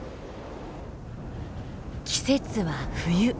季節は冬。